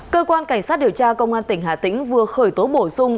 cơ quan cảnh sát điều tra công an tỉnh hà tĩnh vừa khởi tố bổ sung